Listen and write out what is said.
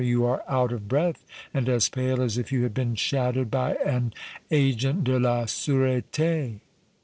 You are out of breath and as pale as if you had been shadowed by an Agent de la Sureté!"